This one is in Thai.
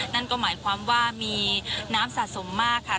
นั่นก็หมายความว่ามีน้ำสะสมมากค่ะ